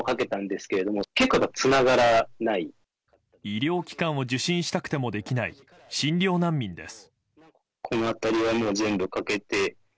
医療機関を受診したくてもできない、診療難民です。